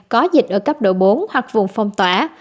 có dịch ở cấp độ bốn hoặc vùng phong tỏa